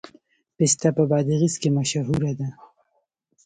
پسته په بادغیس کې مشهوره ده